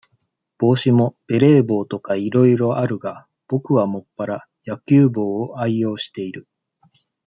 帽子も、ベレー帽とか、いろいろあるが、ぼくはもっぱら、野球帽を愛用している。